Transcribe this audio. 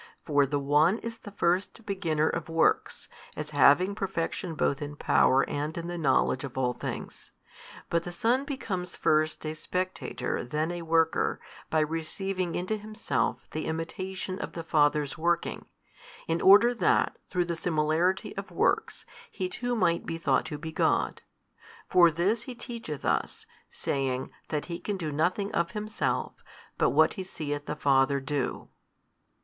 For the One is the First Beginner of works, as having Perfection both in Power and in the knowledge of all things: but the Son becomes first a spectator then a worker by receiving into Himself the imitation of the Father's working, in order that through the similarity of works, He too might be thought to be God. For this He teacheth us, saying that He can do nothing of Himself but what He seeth the Father do."